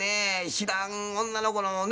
知らん女の子のね